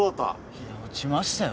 いや落ちましたよ